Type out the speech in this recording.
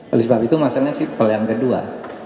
oleh sebab itu masalahnya simpel yang kedua